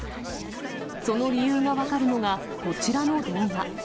その理由が分かるのが、こちらの動画。